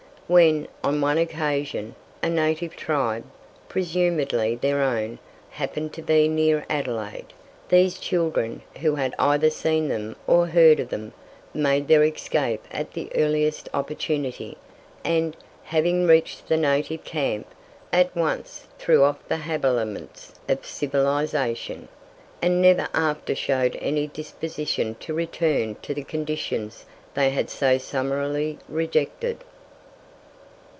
When, on one occasion, a native tribe, presumably their own, happened to be near Adelaide, these children, who had either seen them or heard of them, made their escape at the earliest opportunity, and, having reached the native camp, at once threw off the habiliments of civilization, and never after showed any disposition to return to the conditions they had so summarily rejected.